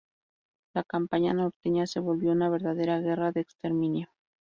La campaña norteña se volvió una verdadera guerra de exterminio.